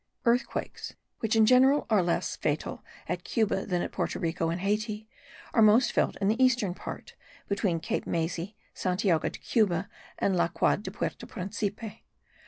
Earthquakes, which are in general less fatal at Cuba than at Porto Rico and Hayti, are most felt in the eastern part, between Cape Maysi, Santiago de Cuba and La Ciudad de Puerto Principe.